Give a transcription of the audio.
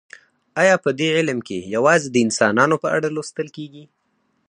ایا په دې علم کې یوازې د انسانانو په اړه لوستل کیږي